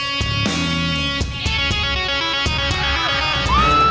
sampai jumpa lagi